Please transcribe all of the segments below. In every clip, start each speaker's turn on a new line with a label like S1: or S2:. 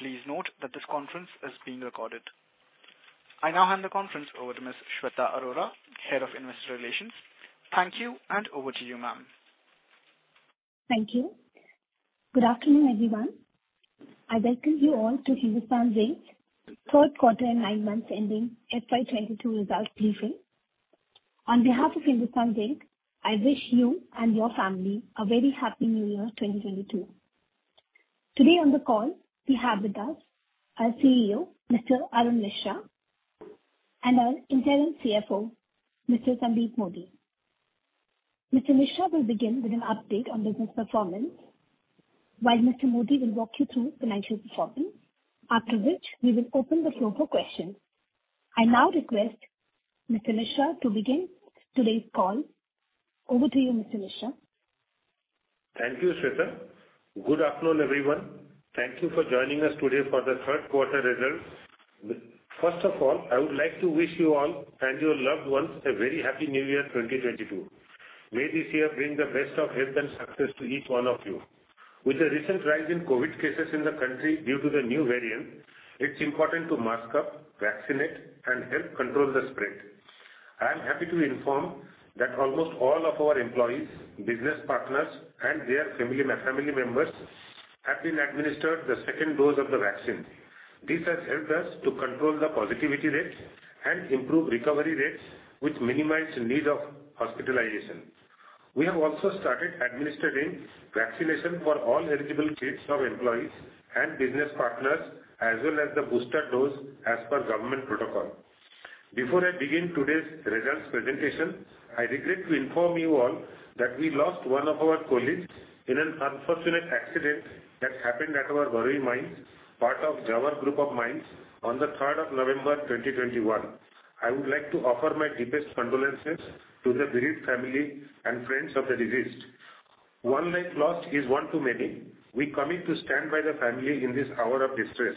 S1: Please note that this conference is being recorded. I now hand the conference over to Ms. Shweta Arora, Head of Investor Relations. Thank you and over to you, ma'am.
S2: Thank you. Good afternoon, everyone. I welcome you all to Hindustan Zinc's third quarter and nine months ending FY 2022 results briefing. On behalf of Hindustan Zinc, I wish you and your family a very happy new year, 2022. Today on the call we have with us our CEO, Mr. Arun Misra, and our Interim CFO, Mr. Sandeep Modi. Mr. Misra will begin with an update on business performance, while Mr. Modi will walk you through financial performance, after which we will open the floor for questions. I now request Mr. Misra to begin today's call. Over to you, Mr. Misra.
S3: Thank you, Shweta. Good afternoon, everyone. Thank you for joining us today for the third quarter results. First of all, I would like to wish you all and your loved ones a very happy new year, 2022. May this year bring the best of health and success to each one of you. With the recent rise in COVID cases in the country due to the new variant, it's important to mask up, vaccinate, and help control the spread. I am happy to inform that almost all of our employees, business partners, and their family members have been administered the second dose of the vaccine. This has helped us to control the positivity rate and improve recovery rates, which minimize need of hospitalization. We have also started administering vaccination for all eligible kids of employees and business partners, as well as the booster dose as per government protocol. Before I begin today's results presentation, I regret to inform you all that we lost one of our colleagues in an unfortunate accident that happened at our Gari mine, part of Zawar group of mines, on the third of November 2021. I would like to offer my deepest condolences to the bereaved family and friends of the deceased. One life lost is one too many. We commit to stand by the family in this hour of distress.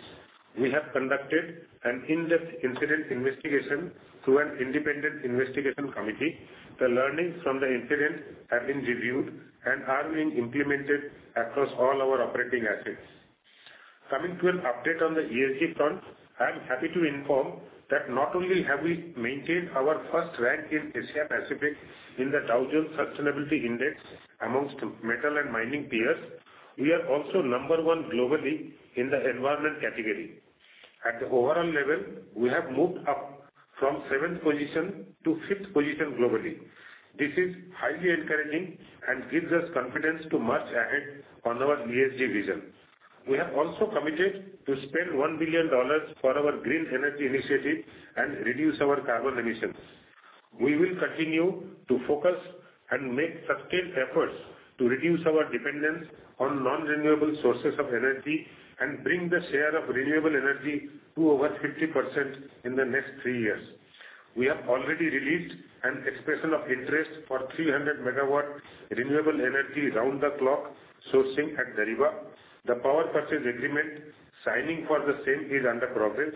S3: We have conducted an in-depth incident investigation through an Independent Investigation Committee. The learnings from the incident have been reviewed and are being implemented across all our operating assets. Coming to an update on the ESG front. I am happy to inform that not only have we maintained our first rank in Asia Pacific in the Dow Jones Sustainability Index amongst metal and mining peers, we are also Number 1 globally in the environment category. At the overall level, we have moved up from seventh position to fifth position globally. This is highly encouraging and gives us confidence to march ahead on our ESG vision. We have also committed to spend $1 billion for our green energy initiative and reduce our carbon emissions. We will continue to focus and make sustained efforts to reduce our dependence on non-renewable sources of energy and bring the share of renewable energy to over 50% in the next three years. We have already released an expression of interest for 300 MW renewable energy round the clock sourcing at Zawar. The power purchase agreement signing for the same is under progress.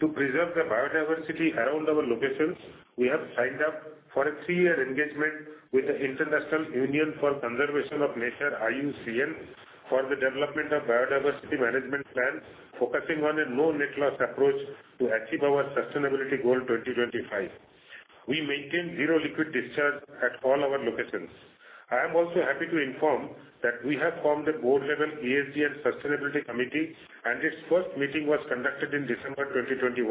S3: To preserve the biodiversity around our locations, we have signed up for a three-year engagement with the International Union for Conservation of Nature, IUCN, for the development of biodiversity management plans, focusing on a no net loss approach to achieve our sustainability goal 2025. We maintain zero liquid discharge at all our locations. I am also happy to inform that we have formed a board level ESG and sustainability committee and its first meeting was conducted in December 2021.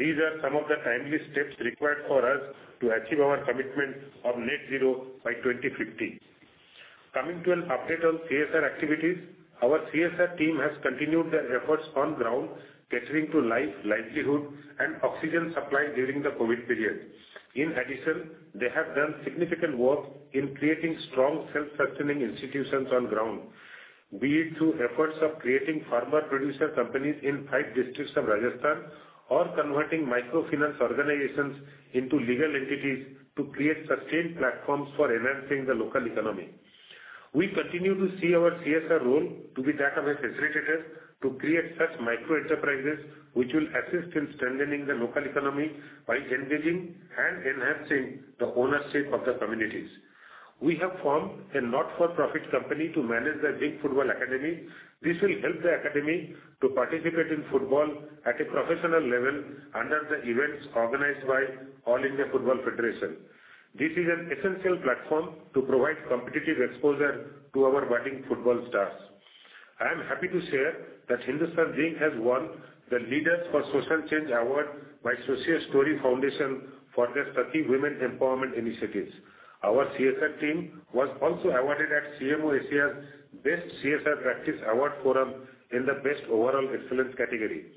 S3: These are some of the timely steps required for us to achieve our commitment of net zero by 2050. Coming to an update on CSR activities. Our CSR team has continued their efforts on ground, catering to life, livelihood, and oxygen supply during the COVID period. In addition, they have done significant work in creating strong, self-sustaining institutions on ground, be it through efforts of creating farmer producer companies in five districts of Rajasthan or converting microfinance organizations into legal entities to create sustained platforms for enhancing the local economy. We continue to see our CSR role to be that of a facilitator to create such micro enterprises which will assist in strengthening the local economy by engaging and enhancing the ownership of the communities. We have formed a not-for-profit company to manage the Zinc Football Academy. This will help the academy to participate in football at a professional level under the events organized by All India Football Federation. This is an essential platform to provide competitive exposure to our budding football stars. I am happy to share that Hindustan Zinc has won the Leaders for Social Change award by Social Story Foundation for their Sakhi women empowerment initiatives. Our CSR team was also awarded at CMO Asia's Best CSR Practice Award Forum in the Best Overall Excellence category.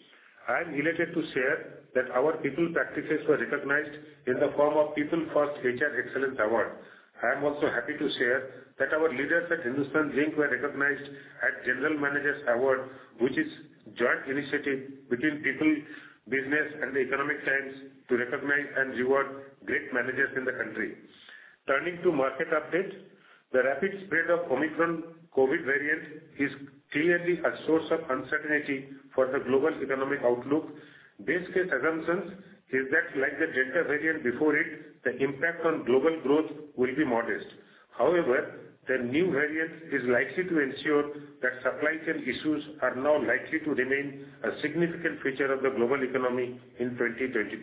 S3: I am elated to share that our people practices were recognized in the form of PeopleFirst HR Excellence Awards. I am also happy to share that our leaders at Hindustan Zinc were recognized at Great Managers Award, which is joint initiative between People Business and The Economic Times to recognize and reward great managers in the country. Turning to market update. The rapid spread of Omicron COVID variant is clearly a source of uncertainty for the global economic outlook. Base case assumption is that like the Delta variant before it, the impact on global growth will be modest. However, the new variant is likely to ensure that supply chain issues are now likely to remain a significant feature of the global economy in 2022.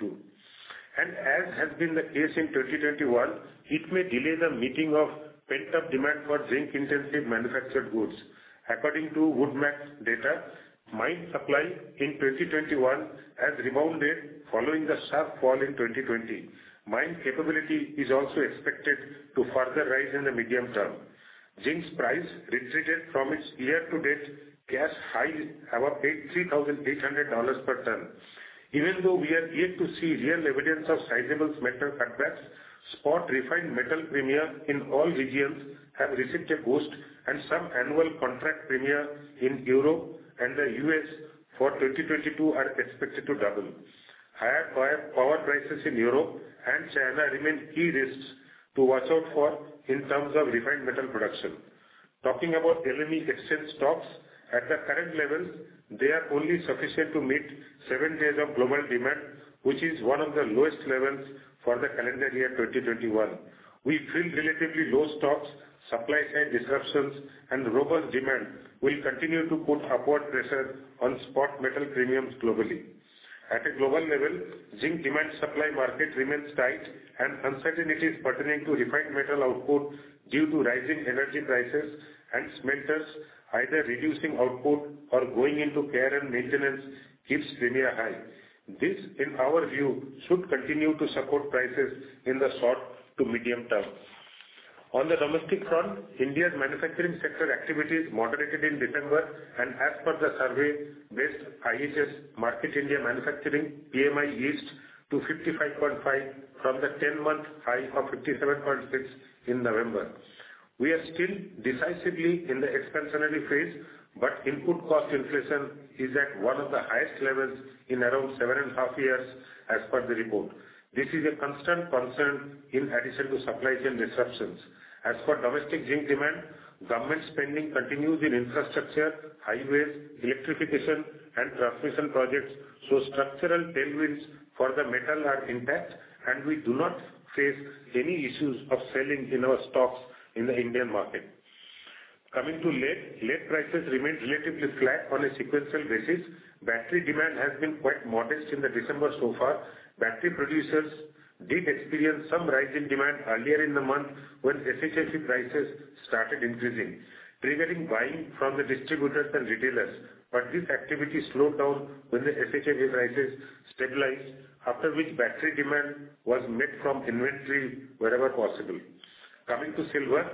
S3: As has been the case in 2021, it may delay the meeting of pent-up demand for zinc-intensive manufactured goods. According to WoodMac data, mine supply in 2021 has rebounded following the sharp fall in 2020. Mine capability is also expected to further rise in the medium term. Zinc's price retreated from its year-to-date cash high of $3,800 per ton. Even though we are yet to see real evidence of sizable metal cutbacks, spot refined metal premiums in all regions have received a boost, and some annual contract premiums in Europe and the U.S. for 2022 are expected to double. Higher power prices in Europe and China remain key risks to watch out for in terms of refined metal production. Talking about LME exchange stocks, at the current levels, they are only sufficient to meet seven days of global demand, which is one of the lowest levels for the calendar year 2021. We feel relatively low stocks, supply chain disruptions, and robust demand will continue to put upward pressure on spot metal premiums globally. At a global level, zinc demand supply market remains tight, and uncertainties pertaining to refined metal output due to rising energy prices and smelters either reducing output or going into care and maintenance keeps premiums high. This, in our view, should continue to support prices in the short to medium-term. On the domestic front, India's manufacturing sector activities moderated in December, and as per the survey-based IHS Markit India Manufacturing PMI eased to 55.5 from the 10-month high of 57.6 in November. We are still decisively in the expansionary phase, but input cost inflation is at one of the highest levels in around 7.5 years as per the report. This is a constant concern in addition to supply chain disruptions. As for domestic zinc demand, government spending continues in infrastructure, highways, electrification, and transmission projects, so structural tailwinds for the metal are intact, and we do not face any issues of selling in our stocks in the Indian market. Coming to lead. Lead prices remained relatively flat on a sequential basis. Battery demand has been quite modest in the December so far. Battery producers did experience some rise in demand earlier in the month when SHFE prices started increasing, triggering buying from the distributors and retailers. This activity slowed down when the SHFE prices stabilized, after which battery demand was met from inventory wherever possible. Coming to silver.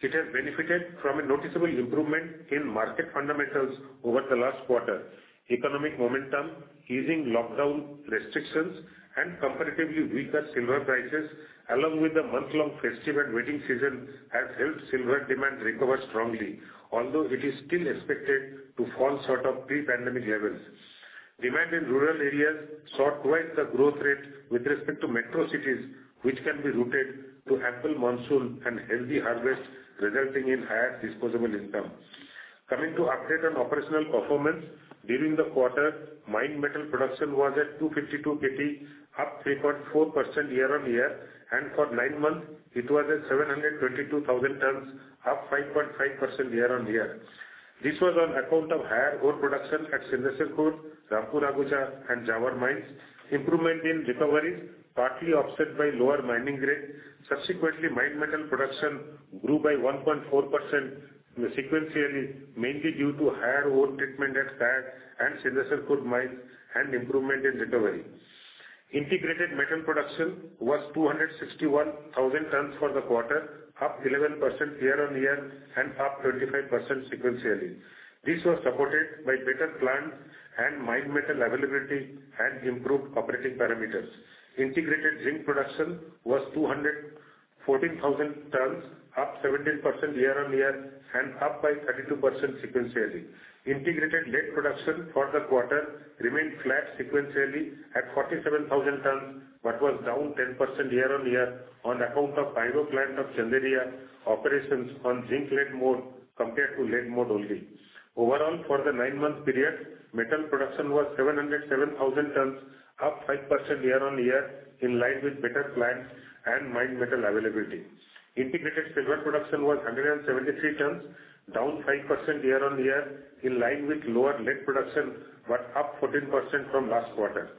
S3: It has benefited from a noticeable improvement in market fundamentals over the last quarter. Economic momentum, easing lockdown restrictions, and comparatively weaker silver prices, along with the month-long festival wedding season, has helped silver demand recover strongly, although it is still expected to fall short of pre-pandemic levels. Demand in rural areas saw twice the growth rate with respect to metro cities, which can be rooted to ample monsoon and healthy harvest, resulting in higher disposable income. Coming to update on operational performance. During the quarter, mined metal production was at 252 KT, up 3.4% year-on-year. For nine months, it was at 722,000 tons, up 5.5% year-on-year. This was on account of higher ore production at Sindesar Khurd, Rampura Agucha, and Zawar mines. Improvement in recovery, partly offset by lower mining grade. Subsequently, mined metal production grew by 1.4% sequentially, mainly due to higher ore treatment at Rampura Agucha and Sindesar Khurd mines and improvement in recovery. Integrated metal production was 261,000 tons for the quarter, up 11% year-on-year and up 25% sequentially. This was supported by better plant and mined metal availability and improved operating parameters. Integrated zinc production was 214,000 tons, up 17% year-on-year and up by 32% sequentially. Integrated lead production for the quarter remained flat sequentially at 47,000 tons, but was down 10% year-on-year on account of Pyro plant of Chanderiya operations on zinc-lead mode compared to lead mode only. Overall, for the nine-month period, metal production was 707,000 tons, up 5% year-on-year, in line with better plant and mined metal availability. Integrated silver production was 173 tons, down 5% year-on-year, in line with lower lead production, but up 14% from last quarter.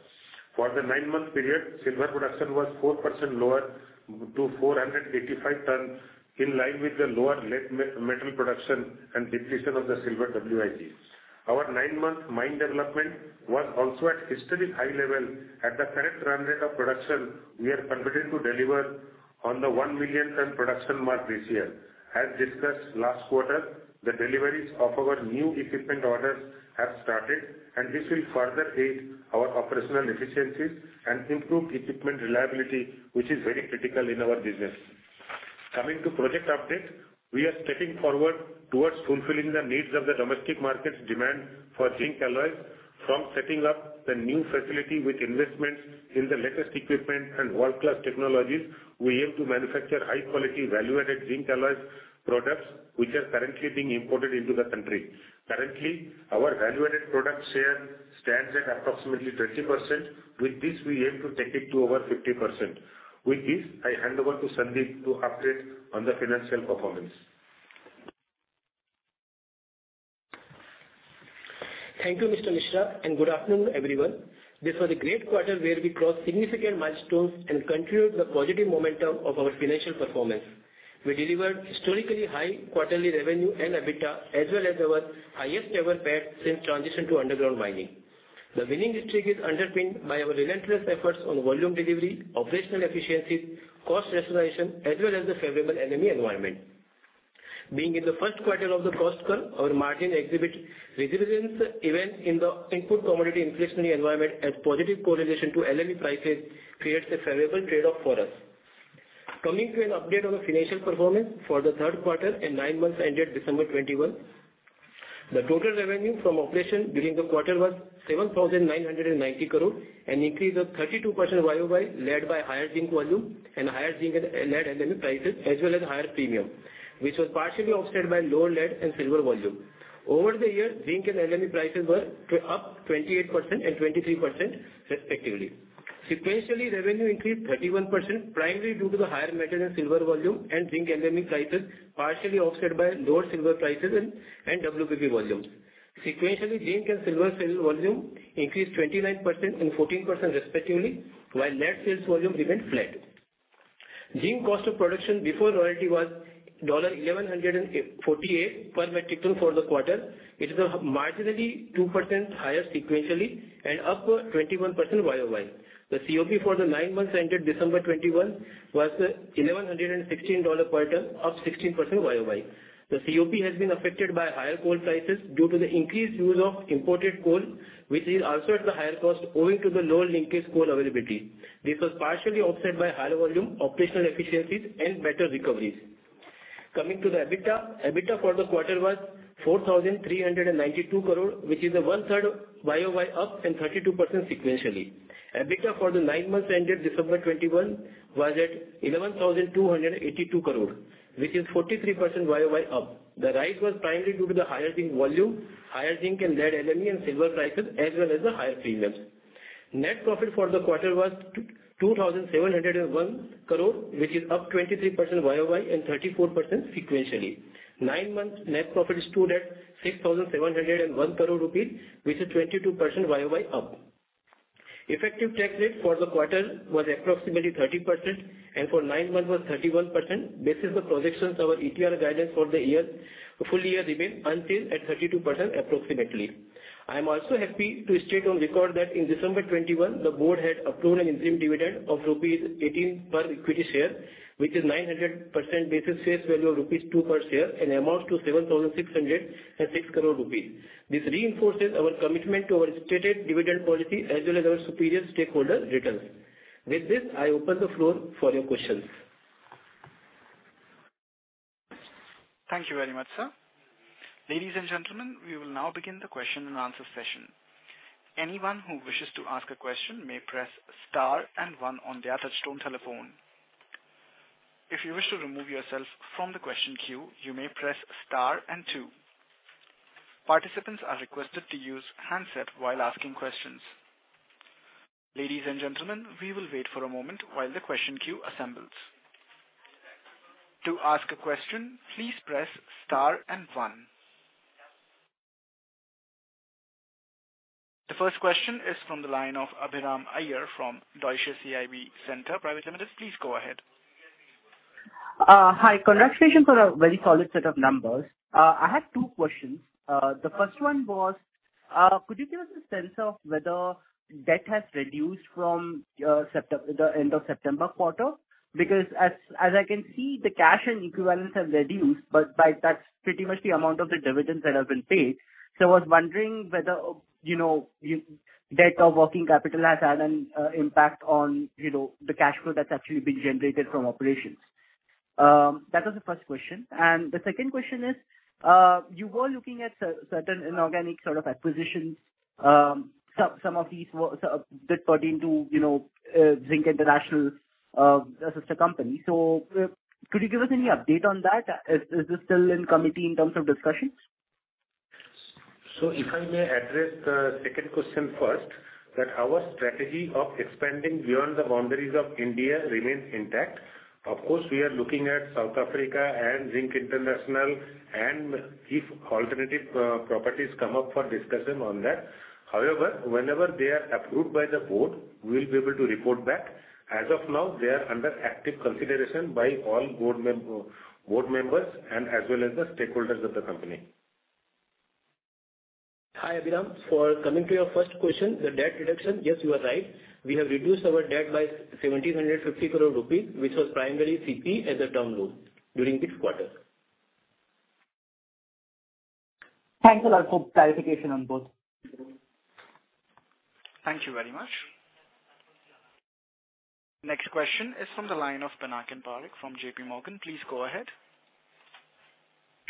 S3: For the nine-month period, silver production was 4% lower, to 485 tons, in line with the lower lead metal production and depletion of the silver WIP. Our nine-month mine development was also at historic high level. At the current run rate of production, we are confident to deliver on the 1 million ton production mark this year. As discussed last quarter, the deliveries of our new equipment orders have started, and this will further aid our operational efficiencies and improve equipment reliability, which is very critical in our business. Coming to project updates. We are stepping forward towards fulfilling the needs of the domestic market's demand for zinc alloys from setting up the new facility with investments in the latest equipment and world-class technologies. We aim to manufacture high-quality, value-added zinc alloys products which are currently being imported into the country. Currently, our value-added product share stands at approximately 20%. With this, we aim to take it to over 50%. With this, I hand over to Sandeep to update on the financial performance.
S4: Thank you, Mr. Mishra, and good afternoon, everyone. This was a great quarter where we crossed significant milestones and continued the positive momentum of our financial performance. We delivered historically high quarterly revenue and EBITDA, as well as our highest ever PAT since transition to underground mining. The winning streak is underpinned by our relentless efforts on volume delivery, operational efficiencies, cost rationalization, as well as the favorable LME environment. Being in the first quarter of the cost curve, our margins exhibit resilience even in the input commodity inflationary environment as positive correlation to LME prices creates a favorable trade-off for us. Coming to an update on the financial performance for the third quarter and nine months ended December 2021. The total revenue from operations during the quarter was 7,990 crore, an increase of 32% Y-o-Y, led by higher zinc volume and higher zinc and lead LME prices, as well as higher premium, which was partially offset by lower lead and silver volume. Over the year, zinc and LME prices were up 28% and 23% respectively. Sequentially, revenue increased 31% primarily due to the higher metal and silver volume and zinc LME prices, partially offset by lower silver prices and WPP volume. Sequentially, zinc and silver sales volume increased 29% and 14% respectively, while lead sales volume remained flat. Zinc cost of production before royalty was $1,148 per metric ton for the quarter. It is marginally 2% higher sequentially and up 21% Y-o-Y. The COP for the nine months ended December 2021 was $1,116 per ton, up 16% Y-o-Y. The COP has been affected by higher coal prices due to the increased use of imported coal, which is also at the higher cost owing to the lower linkage coal availability. This was partially offset by higher volume, operational efficiencies and better recoveries. Coming to the EBITDA. EBITDA for the quarter was 4,392 crore, which is a 1/3 Y-o-Y up and 32% sequentially. EBITDA for the nine months ended December 2021 was at 11,282 crore, which is 43% Y-o-Y up. The rise was primarily due to the higher zinc volume, higher zinc and lead LME and silver prices, as well as the higher premiums. Net profit for the quarter was 2,701 crore, which is up 23% Y-o-Y and 34% sequentially. Nine-month net profit stood at 6,701 crore rupees, which is 22% YOY up. Effective tax rate for the quarter was approximately 30% and for nine months was 31%. Based on the projections, our ETR guidance for the year, full-year remains at approximately 32%. I am also happy to state on record that in December 2021, the Board had approved an interim dividend of rupees 18 per equity share, which is 900% basis face value of rupees 2 per share and amounts to 7,606 crore rupees. This reinforces our commitment to our stated dividend policy as well as our superior stakeholder returns. With this, I open the floor for your questions.
S1: Thank you very much, sir. Ladies and gentlemen, we will now begin the question-and-answer session. Anyone who wishes to ask a question may press Star and one on their touchtone telephone. If you wish to remove yourself from the question queue, you may press Star and two. Participants are requested to use handset while asking questions. Ladies and gentlemen, we will wait for a moment while the question queue assembles. To ask a question, please press Star and one. The first question is from the line of Abhiram Iyer from Deutsche CIB Centre Private Limited. Please go ahead.
S5: Hi. Congratulations on a very solid set of numbers. I have two questions. The first one was, could you give us a sense of whether debt has reduced from the end of September quarter? Because as I can see, the cash and equivalents have reduced, but that's pretty much the amount of the dividends that have been paid. I was wondering whether, you know, debt or working capital has had an impact on, you know, the cash flow that's actually been generated from operations. That was the first question. The second question is, you were looking at certain inorganic sort of acquisitions. Some of these did pertain to, you know, Zinc International sister company. Could you give us any update on that? Is this still in committee in terms of discussions?
S3: If I may address the second question first, that our strategy of expanding beyond the boundaries of India remains intact. Of course, we are looking at South Africa and Zinc International and if alternative properties come up for discussion on that. However, whenever they are approved by the Board, we'll be able to report back. As of now, they are under active consideration by all board members and as well as the stakeholders of the company.
S4: Hi, Abhiram. Coming to your first question, the debt reduction, yes, you are right. We have reduced our debt by 1,750 crore rupees, which was primarily CP as a term loan during this quarter.
S5: Thanks a lot for clarification on both.
S1: Thank you very much. Next question is from the line of Pinakin Parekh from JPMorgan. Please go ahead.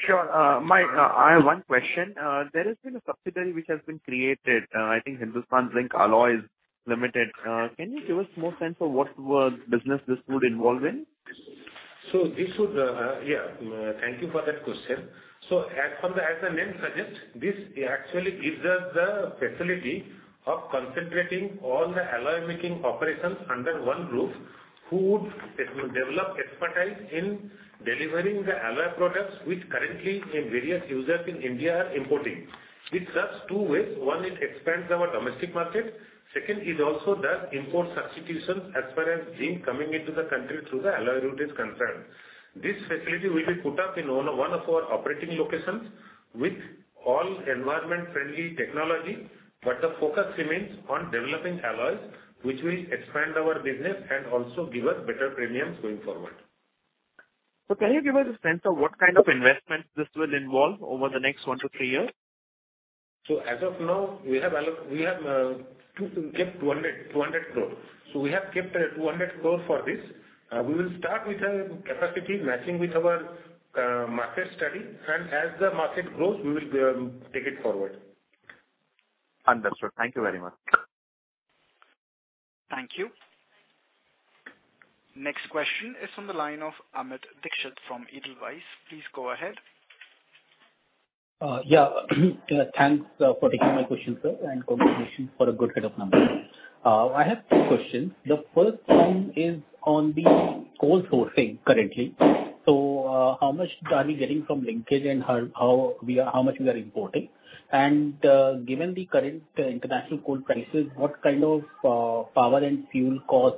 S6: Sure. I have one question. There has been a subsidiary which has been created, I think Hindustan Zinc Alloys Private Limited. Can you give us more sense of what business this would involve in?
S3: Thank you for that question. As for the, as the name suggests, this actually gives us the facility of concentrating all the alloy making operations under one roof, who would develop expertise in delivering the alloy products which currently in various users in India are importing. It serves two ways. One, it expands our domestic market. Second is also that import substitution as far as zinc coming into the country through the alloy route is concerned. This facility will be put up in one of our operating locations with all environment-friendly technology. The focus remains on developing alloys, which will expand our business and also give us better premiums going forward.
S6: Can you give us a sense of what kind of investment this will involve over the next one to three years?
S3: As of now, we have kept 200 crores. We have kept 200 crores for this. We will start with a capacity matching with our market study, and as the market grows, we will take it forward.
S6: Understood. Thank you very much.
S1: Thank you. Next question is from the line of Amit Dixit from Edelweiss. Please go ahead.
S7: Thanks for taking my question, sir, and congratulations for a good set of numbers. I have two questions. The first one is on the coal sourcing currently. How much are we getting from linkage and how much we are importing? Given the current international coal prices, what kind of power and fuel cost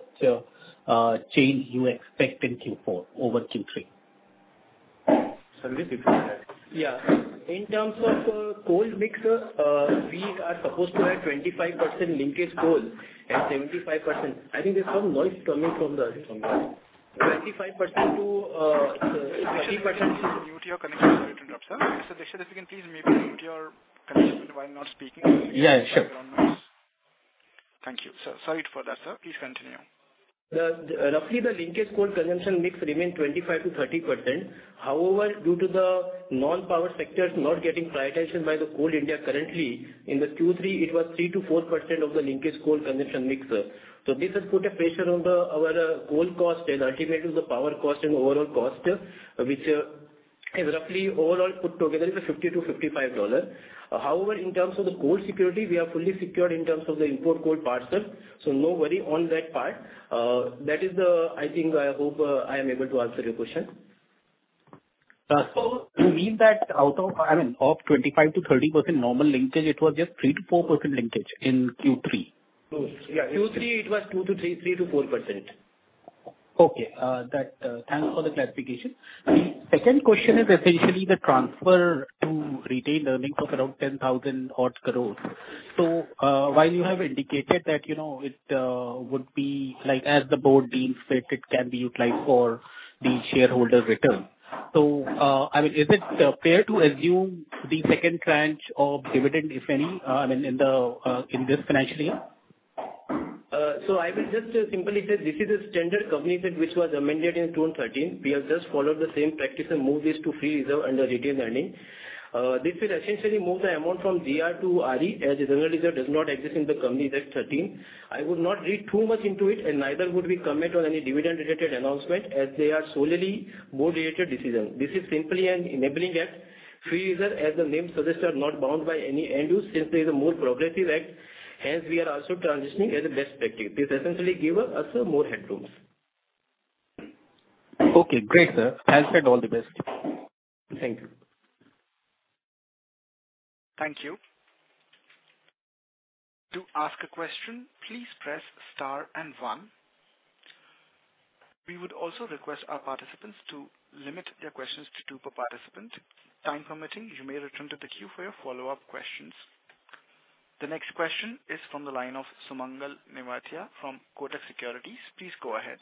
S7: change you expect in Q4 over Q3?
S3: Sandeep, you can add.
S4: Yeah. In terms of coal mix, we are supposed to have 25% linkage coal and 75%. I think there's some noise coming from there. 25%-30%-
S1: Sandeep, I think this is mute. Your connection has been dropped, sir. Dixit, if you can please maybe mute your connection while not speaking.
S7: Yeah, sure.
S1: Thank you. Sorry for that, sir. Please continue.
S4: Roughly the linkage coal consumption mix remain 25%-30%. However, due to the non-power sectors not getting prioritization by Coal India currently, in the Q3 it was 3%-4% of the linkage coal consumption mix, sir. This has put a pressure on our coal cost and ultimately the power cost and overall cost, which is roughly overall put together $50-$55. However, in terms of the coal security, we are fully secured in terms of the import coal parcel, so no worry on that part. I think I hope I am able to answer your question.
S7: You mean that out of, I mean, of 25%-30% normal linkage, it was just 3%-4% linkage in Q3?
S4: Yeah. Q3 it was 2%-3%, 3%-4%.
S7: Okay. Thanks for the clarification. The second question is essentially the transfer to retained earnings of around 10,000 odd crore. While you have indicated that, you know, it would be like as the board deems fit, it can be utilized for the shareholder return. I mean, is it fair to assume the second tranche of dividend, if any, I mean, in this financial year?
S4: I will just simply say this is a standard Companies Act which was amended in 2013. We have just followed the same practice and moved this to free reserve under retained earnings. This will essentially move the amount from DRR to RE as general reserve does not exist in the company that's 2013. I would not read too much into it, and neither would we comment on any dividend-related announcement as they are solely board-related decision. This is simply an enabling act. Free reserve, as the name suggests, are not bound by any end use, simply is a more progressive act. Hence, we are also transitioning as a best practice. This essentially give us a more headroom.
S7: Okay, great, sir. All said, all the best. Thank you.
S1: Thank you. To ask a question, please press Star and one. We would also request our participants to limit their questions to two per participant. Time permitting, you may return to the queue for your follow-up questions. The next question is from the line of Sumangal Nevatia from Kotak Securities. Please go ahead.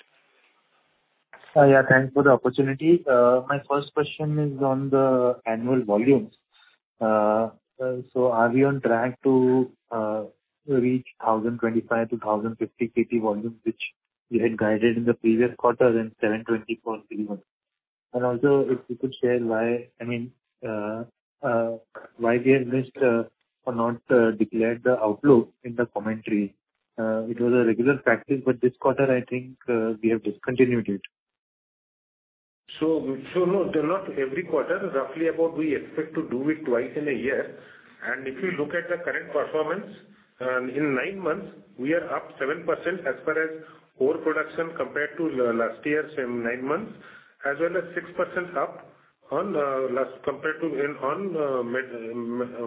S8: Yeah. Thanks for the opportunity. My first question is on the annual volumes. Are we on track to reach 1,025 KT-1,050 KT volumes, which we had guided in the previous quarter and 724 billion? Also, if you could share why, I mean, why we have missed or not declared the outlook in the commentary. It was a regular practice, but this quarter I think we have discontinued it.
S3: No, they're not every quarter. Roughly, we expect to do it about twice in a year. If you look at the current performance, in nine months, we are up 7% as far as ore production compared to last year's nine months as well as 6% up on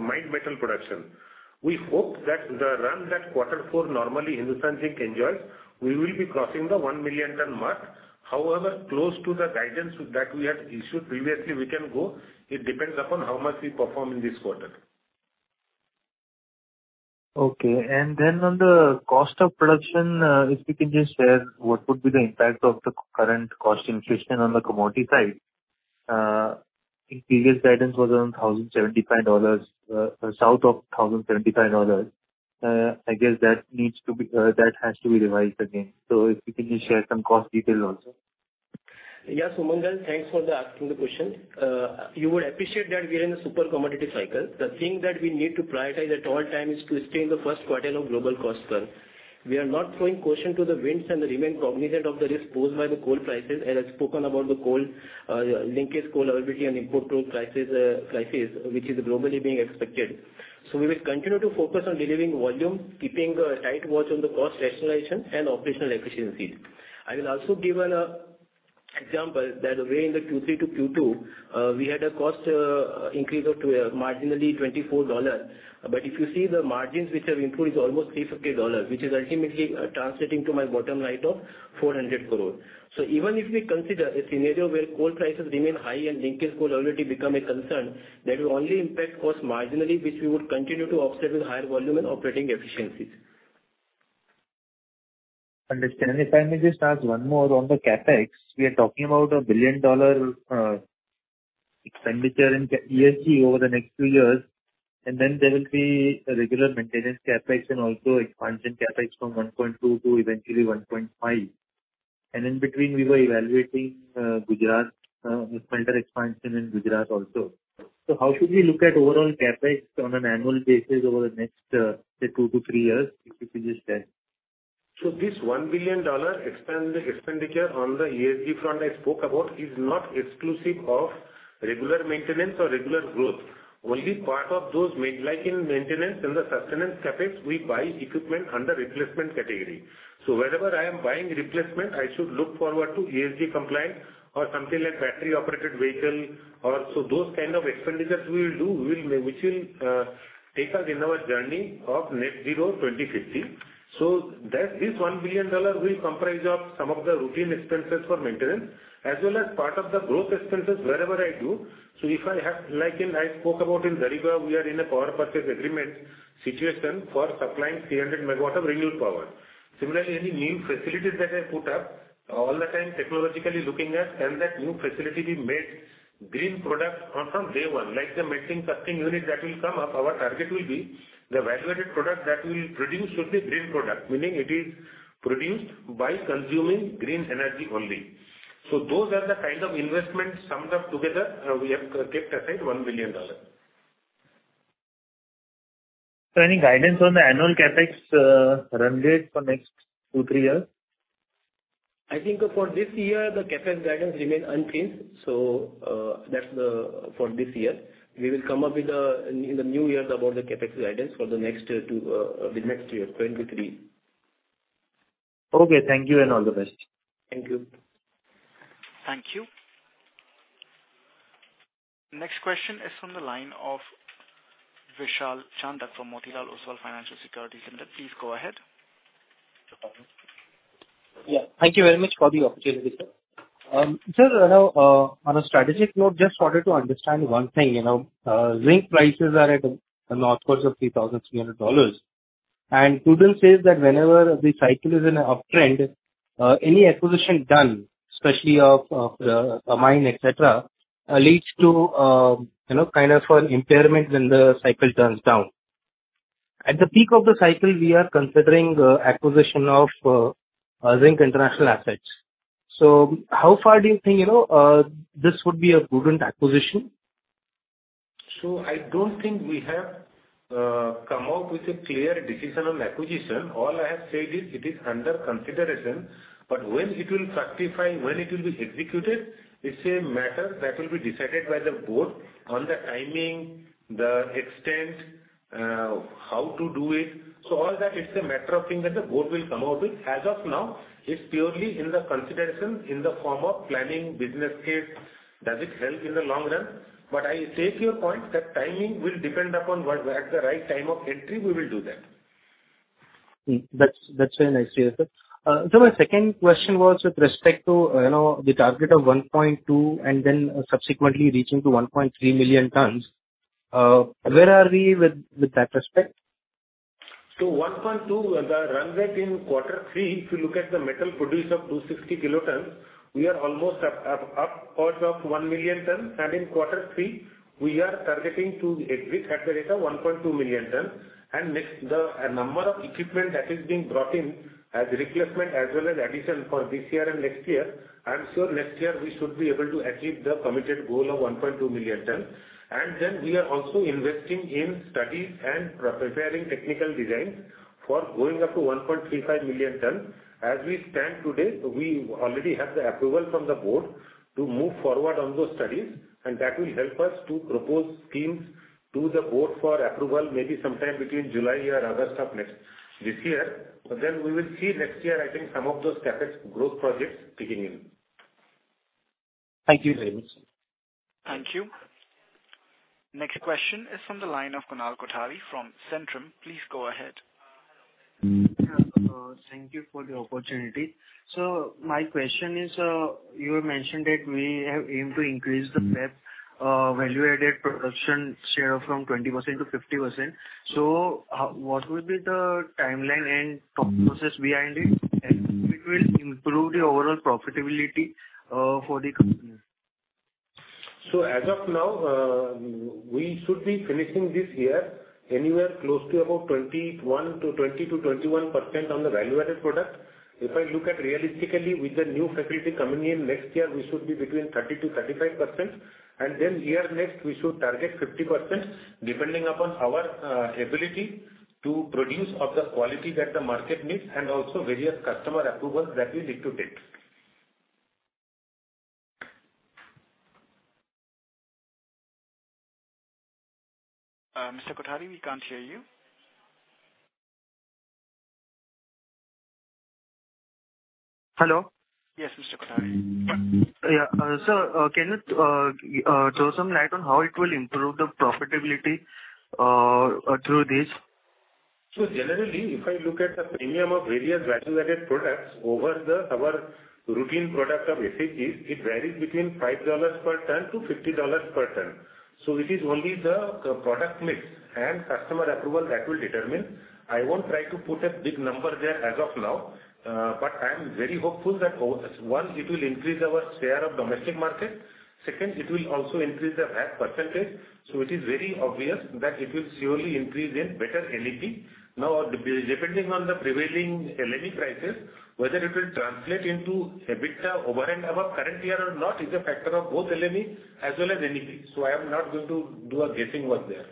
S3: mined metal production. We hope that the run that quarter four normally Hindustan Zinc enjoys, we will be crossing the 1 million ton mark. However, close to the guidance that we had issued previously, we can go. It depends upon how much we perform in this quarter.
S8: Okay. On the cost of production, if you can just share what would be the impact of the current cost inflation on the commodity side. I think previous guidance was around $1,075, south of $1,075. I guess that has to be revised again. If you can just share some cost details also.
S4: Yeah, Sumangal. Thanks for asking the question. You would appreciate that we are in a super commodity cycle. The thing that we need to prioritize at all times is to stay in the first quartile of global costs, sir. We are not throwing caution to the winds and remain cognizant of the risk posed by the coal prices, and I've spoken about the coal linkage coal availability and import coal crisis which is globally being expected. We will continue to focus on delivering volume, keeping a tight watch on the cost rationalization and operational efficiencies. I will also give an For example, the way in the Q3 to Q2, we had a cost increase of a marginal $24. If you see the margins which have improved is almost $350, which is ultimately translating to my bottom line of 400 crore. Even if we consider a scenario where coal prices remain high and linkage coal already become a concern, that will only impact cost marginally, which we would continue to offset with higher volume and operating efficiencies.
S8: Understand. If I may just ask one more on the CapEx. We are talking about a $1 billion expenditure in ESG over the next two years, and then there will be a regular maintenance CapEx and also expansion CapEx from $1.2 billion to eventually $1.5 billion. In between, we were evaluating Gujarat, the smelter expansion in Gujarat also. How should we look at overall CapEx on an annual basis over the next, say two to three years, if you could just tell?
S3: This $1 billion expenditure on the ESG front I spoke about is not exclusive of regular maintenance or regular growth. Only part of those, like in maintenance, in the sustenance CapEx, we buy equipment under replacement category. Wherever I am buying replacement, I should look forward to ESG compliance or something like battery operated vehicle. Those kind of expenditures we will make, which will take us in our journey of net zero 2050. That this $1 billion will comprise of some of the routine expenses for maintenance as well as part of the growth expenses wherever I do. If I have, like, as I spoke about in Dariba, we are in a power purchase agreement situation for supplying 300 MW of renewable power. Similarly, any new facilities that I put up all the time technologically looking at, can that new facility be made green product from day one, like the melting casting unit that will come up. Our target will be the value-added product that we'll produce should be green product, meaning it is produced by consuming green energy only. Those are the kind of investments summed up together. We have kept aside $1 billion.
S8: Any guidance on the annual CapEx run rate for next two, three years?
S3: I think for this year, the CapEx guidance remain unchanged. That's for this year. We will come up with, in the new year, about the CapEx guidance for the next year, 2023.
S8: Okay. Thank you and all the best.
S3: Thank you.
S1: Thank you. Next question is from the line of Vishal Chandak from Motilal Oswal Financial Services Limited. Please go ahead.
S9: Yeah, thank you very much for the opportunity, sir. Sir, you know, on a strategic note, just wanted to understand one thing. You know, zinc prices are at a north of $3,300. Prudence says that whenever the cycle is in an uptrend, any acquisition done especially of a mine, et cetera, leads to, you know, kind of an impairment when the cycle turns down. At the peak of the cycle we are considering acquisition of Vedanta Zinc International assets. How far do you think, you know, this would be a prudent acquisition?
S3: I don't think we have come up with a clear decision on acquisition. All I have said is it is under consideration, but when it will fructify, when it will be executed, it's a matter that will be decided by the Board on the timing, the extent, how to do it. So all that, it's a matter of thing that the board will come out with. As of now, it's purely in the consideration in the form of planning business case. Does it help in the long run? I take your point that timing will depend upon whether we're at the right time of entry, we will do that.
S9: That's very nice to hear, sir. My second question was with respect to, you know, the target of 1.2 and then subsequently reaching to 1.3 million tons. Where are we with that respect?
S3: 1.2, the run rate in quarter three, if you look at the metal production of 260 Kt, we are almost upwards of 1 million tons. In quarter three we are targeting to achieve at the rate of 1.2 million tons. Next, the number of equipment that is being brought in as replacement as well as addition for this year and next year, I'm sure next year we should be able to achieve the committed goal of 1.2 million tons. We are also investing in studies and preparing technical designs for going up to 1.35 million tons. As we stand today, we already have the approval from the Board to move forward on those studies, and that will help us to propose schemes to the board for approval, maybe sometime between July or August of this year. We will see next year, I think some of those CapEx growth projects kicking in.
S9: Thank you very much.
S1: Thank you. Next question is from the line of Kunal Kothari from Centrum. Please go ahead.
S10: Thank you for the opportunity. My question is, you mentioned that we have aimed to increase the VAP, value-added production share from 20%-50%. What will be the timeline and thought process behind it? It will improve the overall profitability for the company.
S3: As of now, we should be finishing this year anywhere close to about 20%-21% on the value-added product. If I look at it realistically with the new facility coming in next year, we should be between 30%-35%. Then, next year we should target 50% depending upon our ability to produce the quality that the market needs and also various customer approvals that we need to take.
S1: Mr. Kothari, we can't hear you.
S10: Hello.
S1: Yes, Mr. Kothari.
S10: Yeah. Sir, can you throw some light on how it will improve the profitability through this?
S3: Generally, if I look at the premium of various value-added products over our routine product of SHG, it varies between $5 per ton to $50 per ton. It is only the product mix and customer approval that will determine. I won't try to put a big number there as of now, but I am very hopeful that once it will increase our share of domestic market, second, it will also increase the RC percentage, so it is very obvious that it will surely increase in better NEP. Now, depending on the prevailing LME prices, whether it will translate into EBITDA over and above current year or not is a factor of both LME as well as NEP. I am not going to do a guessing work there.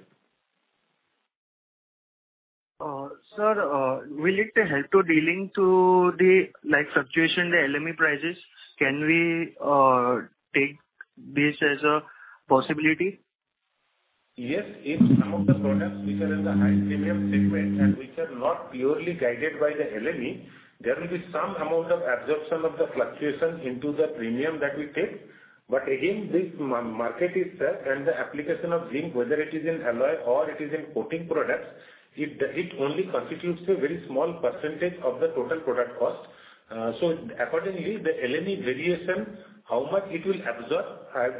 S10: Sir, will it help in dealing with the fluctuations in LME prices? Can we take this as a possibility?
S3: Yes. If some of the products which are in the high premium segment and which are not purely guided by the LME, there will be some amount of absorption of the fluctuation into the premium that we take. Again, this market itself and the application of zinc, whether it is in alloy or it is in coating products, it only constitutes a very small percentage of the total product cost. Accordingly, the LME variation, how much it will absorb,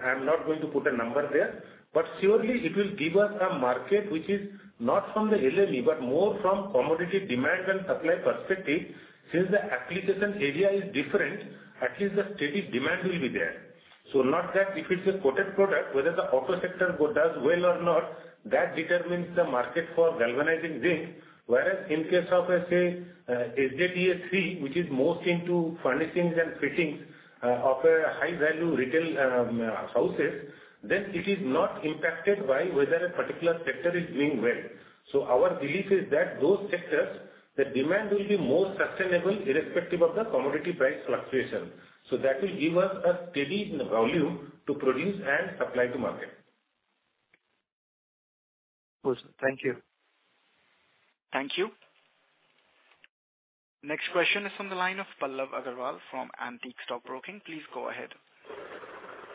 S3: I'm not going to put a number there. Surely it will give us a market which is not from the LME, but more from commodity demand and supply perspective since the application area is different, at least the steady demand will be there. Not that if it's a coated product, whether the auto sector does well or not, that determines the market for galvanizing zinc. Whereas in case of a, say, Zamak 3, which is most into furnishings and fittings, of a high-value retail houses, then it is not impacted by whether a particular sector is doing well. Our belief is that those sectors, the demand will be more sustainable irrespective of the commodity price fluctuation. That will give us a steady volume to produce and supply to market.
S10: Good. Thank you.
S1: Thank you. Next question is from the line of Pallav Agarwal from Antique Stock Broking. Please go ahead.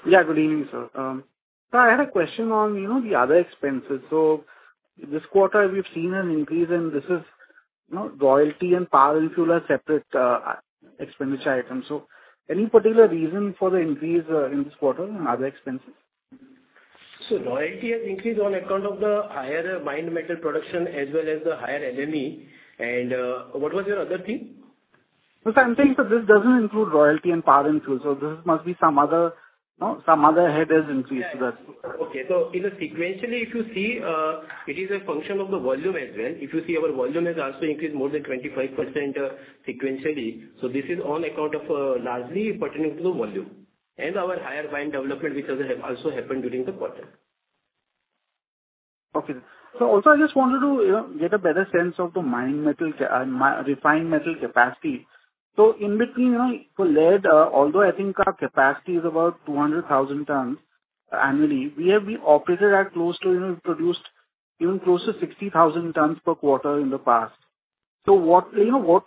S11: Yeah, good evening, sir. I had a question on, you know, the other expenses. This quarter we've seen an increase and this is, you know, royalty and power and fuel are separate expenditure items. Any particular reason for the increase in this quarter in other expenses?
S3: Royalty has increased on account of the higher mined metal production as well as the higher LME. What was your other thing?
S11: No, I'm saying, this doesn't include royalty and power and fuel. This must be some other, you know, some other head has increased.
S3: Okay. You know, sequentially, if you see, it is a function of the volume as well. If you see our volume has also increased more than 25%, sequentially. This is on account of largely pertaining to the volume and our higher mine development which has also happened during the quarter.
S11: Okay. Also I just wanted to, you know, get a better sense of the refined metal capacity. In between, you know, for lead, although I think our capacity is about 200,000 tons annually, we have been operated at close to, you know, produced even close to 60,000 tons per quarter in the past. What is our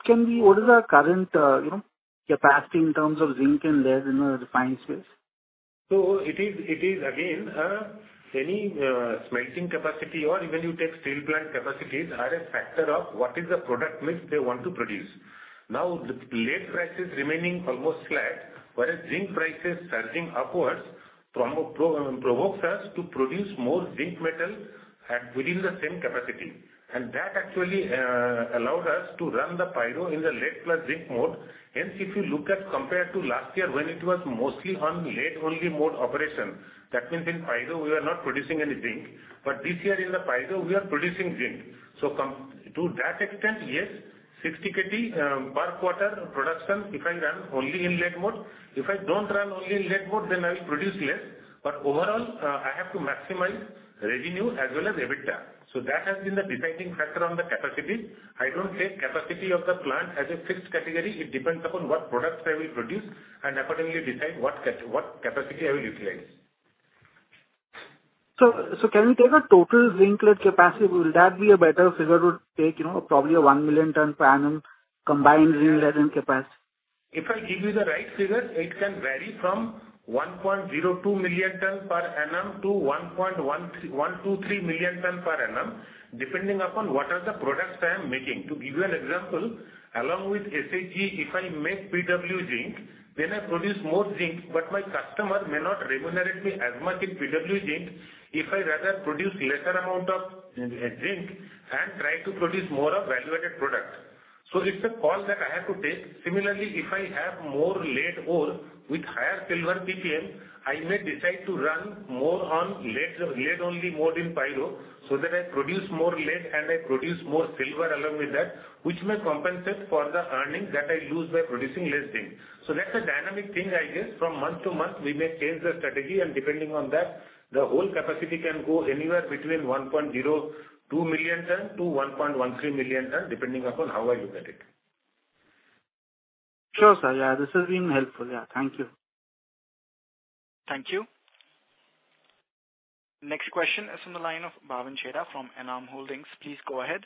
S11: current, you know, capacity in terms of zinc and lead in our refined space?
S3: It is again any smelting capacity or even you take steel plant capacities are a factor of what is the product mix they want to produce. Now, lead prices remaining almost flat, whereas zinc prices surging upwards provokes us to produce more zinc metal within the same capacity. That actually allowed us to run the Pyro in the lead plus zinc mode. Hence, if you look at it compared to last year when it was mostly on lead-only mode operation, that means in Pyro we were not producing any zinc. This year in the Pyro we are producing zinc. To that extent, yes, 60 Kt per quarter production if I run only in lead mode. If I don't run only in lead mode, then I will produce less. Overall, I have to maximize revenue as well as EBITDA. That has been the deciding factor on the capacity. I don't take capacity of the plant as a fixed category. It depends upon what products I will produce and accordingly decide what capacity I will utilize.
S11: Can we take a total zinc lead capacity? Will that be a better figure to take, you know, probably a 1 million ton per annum combined zinc lead in capacity?
S3: If I give you the right figure, it can vary from 1.02 million tons per annum to 1.23 million tons per annum, depending upon what are the products I am making. To give you an example, along with SHG if I make PW zinc, then I produce more zinc, but my customer may not remunerate me as much in PW zinc if I rather produce lesser amount of zinc and try to produce more of value-added product. It's a call that I have to take. Similarly, if I have more lead ore with higher silver PPM, I may decide to run more on lead-only mode in pyro, so then I produce more lead and I produce more silver along with that, which may compensate for the earnings that I lose by producing less zinc. That's a dynamic thing, I guess. From month to month, we may change the strategy and depending on that, the whole capacity can go anywhere between 1.02 million ton-1.13 million ton, depending upon how I look at it.
S12: Sure, sir. Yeah, this has been helpful. Yeah. Thank you.
S1: Thank you. Next question is from the line of Bhavin Chheda from Enam Holdings. Please go ahead.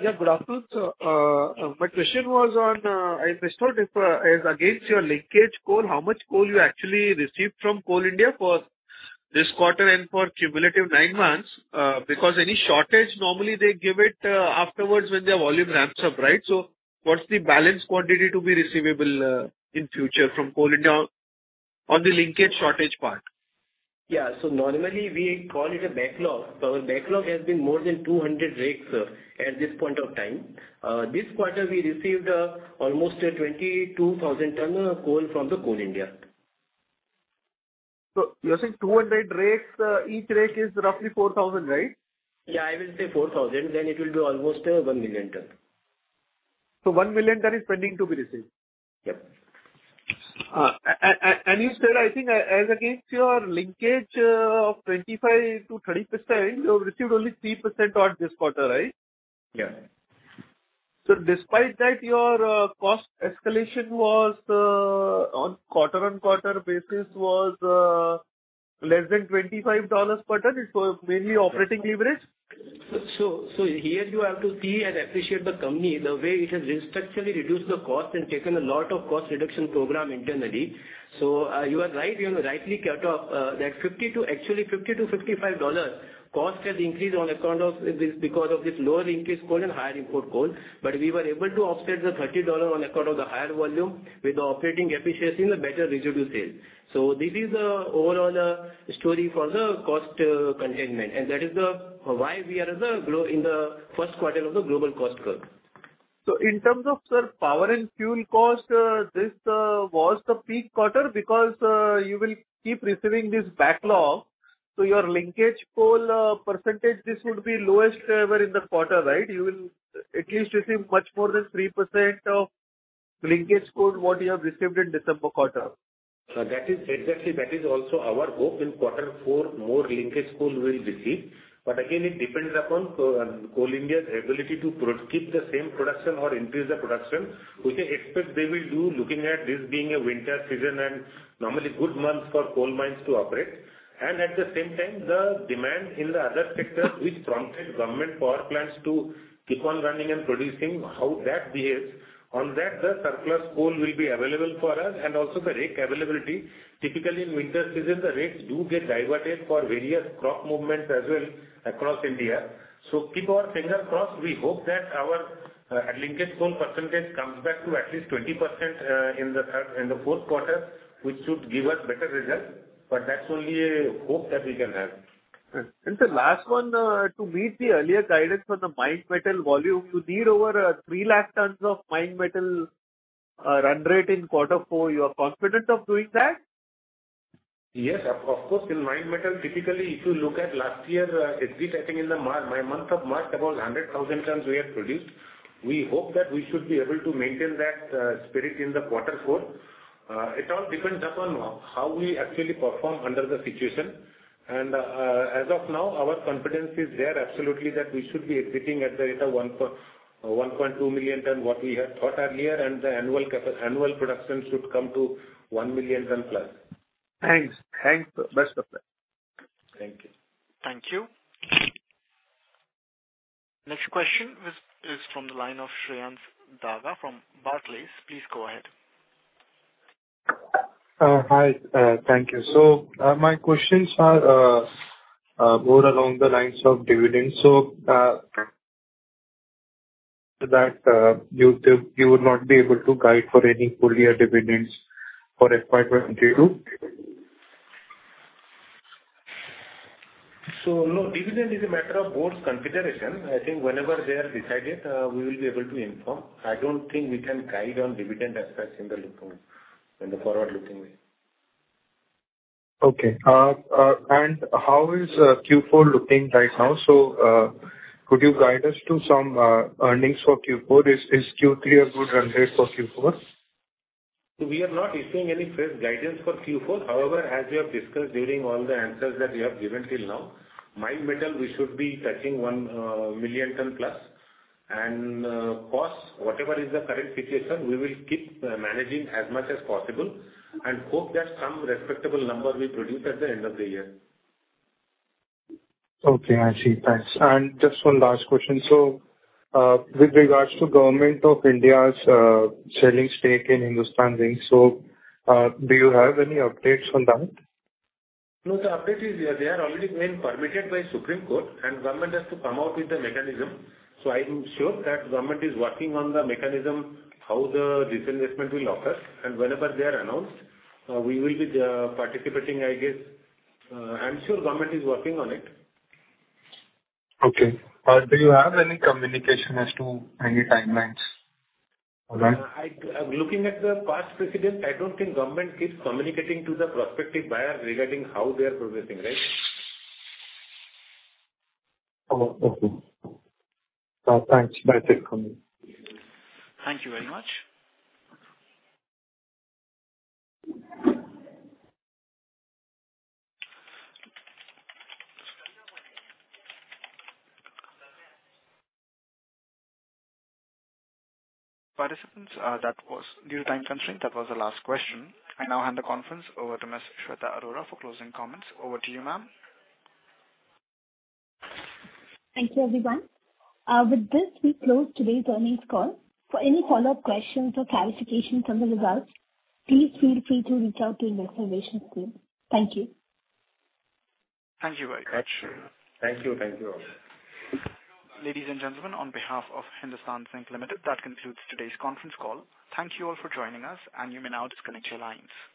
S13: Yeah, good afternoon, sir. My question was on, I just thought if, as against your linkage coal, how much coal you actually received from Coal India for this quarter and for cumulative nine months. Because any shortage normally they give it, afterwards when their volume ramps up, right? What's the balance quantity to be receivable, in future from Coal India on the linkage shortage part?
S3: Yeah. Normally we call it a backlog. Our backlog has been more than 200 rakes at this point of time. This quarter we received almost 22,000 tons of coal from Coal India.
S13: You're saying 200 rakes. Each rake is roughly 4,000, right?
S3: Yeah, I will say 4,000, then it will be almost 1 million ton.
S13: 1 million ton is pending to be received?
S3: Yep.
S13: You said, I think, as against your linkage of 25%-30%, you have received only 3% in this quarter, right?
S3: Yeah.
S13: Despite that, your cost escalation was on quarter-on-quarter basis less than $25 per ton. It was mainly operating leverage.
S3: Here you have to see and appreciate the company the way it has structurally reduced the cost and taken a lot of cost reduction program internally. You are right. You have rightly caught up that $50-$55 cost has increased on account of this, because of this lower linkage coal and higher import coal. But we were able to offset the $30 on account of the higher volume with the operating efficiency and the better residual sales. This is overall story for the cost containment. That is why we are the low in the first quarter of the global cost curve.
S13: In terms of, sir, power and fuel cost, this was the peak quarter because you will keep receiving this backlog, so your linkage coal percentage, this would be lowest ever in the quarter, right? You will at least receive much more than 3% of linkage coal what you have received in December quarter.
S3: That is exactly, that is also our hope. In quarter four, more linkage coal we'll receive. Again, it depends upon Coal India's ability to keep the same production or increase the production. We can expect they will do looking at this being a winter season and normally good months for coal mines to operate. At the same time, the demand in the other sectors which prompted government power plants to keep on running and producing, how that behaves. On that, the surplus coal will be available for us and also the rake availability. Typically, in winter season, the rakes do get diverted for various crop movements as well across India. Keep our finger crossed. We hope that our linkage coal percentage comes back to at least 20%, in the fourth quarter, which should give us better results. That's only a hope that we can have.
S13: Sir, last one. To meet the earlier guidance for the mined metal volume, you need over 3 lakh tons of mined metal run rate in quarter four. You are confident of doing that?
S3: Yes, of course. In mined metal, typically, if you look at last year, it's been touching in the month of March, about 100,000 tons we have produced. We hope that we should be able to maintain that spirit in the quarter four. It all depends upon how we actually perform under the situation. As of now, our confidence is there absolutely that we should be exiting at the rate of 1.2 million tons, what we had thought earlier, and the annual production should come to 1 million tons plus.
S13: Thanks. Best of luck.
S3: Thank you.
S1: Thank you. Next question is from the line of Shreyans Daga from Barclays. Please go ahead.
S12: Hi. Thank you. My questions are more along the lines of dividends. That you said you would not be able to guide for any full-year dividends for FY 2022?
S3: No. Dividend is a matter of Board's consideration. I think whenever they have decided, we will be able to inform. I don't think we can guide on dividend aspects in the forward-looking way.
S12: Okay. How is Q4 looking right now? Could you guide us to some earnings for Q4? Is Q3 a good run rate for Q4?
S3: We are not issuing any fresh guidance for Q4. However, as we have discussed during all the answers that we have given till now, mined metal we should be touching 1+ million ton. Cost, whatever is the current situation, we will keep managing as much as possible, and hope that some respectable number we produce at the end of the year.
S12: Okay. I see. Thanks. Just one last question. With regards to Government of India’s selling stake in Hindustan Zinc, so, do you have any updates on that?
S3: No, the update is they are already been permitted by Supreme Court and government has to come out with the mechanism. I'm sure that government is working on the mechanism, how the disinvestment will occur. Whenever they are announced, we will be participating, I guess. I'm sure government is working on it.
S12: Okay. Do you have any communication as to any timelines on that?
S3: Looking at the past precedent, I don't think government keeps communicating to the prospective buyer regarding how they are progressing, right?
S12: Oh, okay. Thanks. Best of luck.
S1: Thank you very much. Participants, due to time constraint, that was the last question. I now hand the conference over to Ms. Shweta Arora for closing comments. Over to you, ma'am.
S2: Thank you, everyone. With this we close today's earnings call. For any follow-up questions or clarifications on the results, please feel free to reach out to investor relations team. Thank you.
S1: Thank you very much.
S3: Thank you. Thank you all.
S1: Ladies and gentlemen, on behalf of Hindustan Zinc Limited, that concludes today's conference call. Thank you all for joining us, and you may now disconnect your lines.